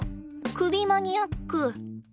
首マニアック。